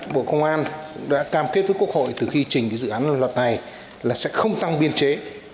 bộ công an cũng đã cam kết với quốc hội từ khi trình dự án luật này là sẽ không tăng biên chế